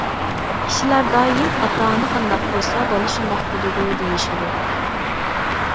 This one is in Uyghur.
كىشىلەر دائىم« ئاتا- ئانا قانداق بولسا، بالا شۇنداق بولىدۇ» دېيىشىدۇ.